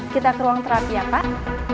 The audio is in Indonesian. kita ke ruang terapi ya pak